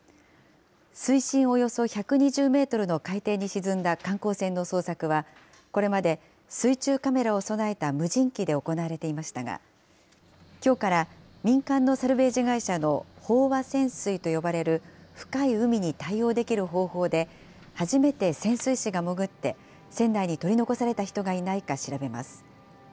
水深およそ１２０メートルの海底に沈んだ観光船の捜索は、これまで水中カメラを備えた無人機で行われていましたが、きょうから民間のサルベージ会社の飽和潜水と呼ばれる深い海に対応できる方法で、初めて潜水士が潜って、船内に取り残された人がいないか調べます。